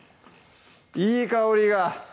いい香りが！